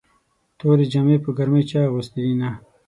تورې جامې په ګرمۍ چا اغوستې دينه